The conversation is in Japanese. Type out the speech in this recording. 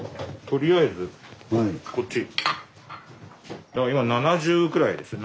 とりあえずこっち。